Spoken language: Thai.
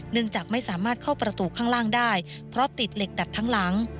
จากไม่สามารถเข้าประตูข้างล่างได้เพราะติดเหล็กดัดทั้งหลัง